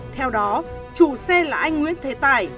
theo đó chủ xe là anh nguyễn thế tải